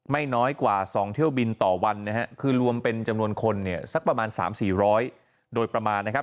ไม่น้อยกว่า๒เที่ยวบินต่อวันนะฮะคือรวมเป็นจำนวนคนเนี่ยสักประมาณ๓๔๐๐โดยประมาณนะครับ